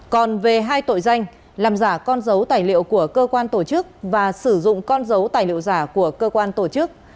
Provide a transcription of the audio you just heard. còn về hai tội danh làm giả con dấu tài liệu của cơ quan tổ chức và sử dụng con dấu tài liệu giả của cơ quan tổ chức